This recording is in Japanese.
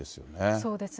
そうですね。